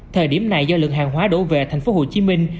thời điểm này do lượng hàng hóa đổ về thành phố hồ chí minh